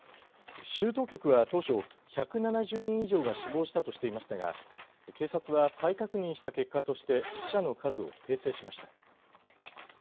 州当局は当初１７０人以上が死亡したとしていましたが警察は再確認した結果として死者の数を訂正しました。